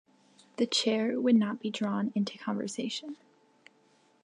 The chair would not be drawn into conversation.